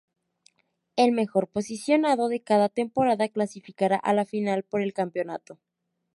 El mejor posicionado de cada temporada clasificará a la final por el campeonato.